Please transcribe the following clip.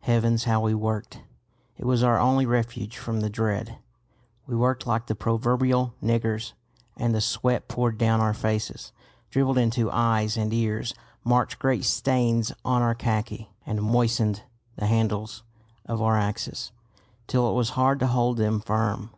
Heavens, how we worked! It was our only refuge from the dread. We worked like the proverbial niggers; and the sweat poured down our faces, dribbled into eyes and ears, marked great stains on our khaki, and moistened the handles of our axes till it was hard to hold them firm.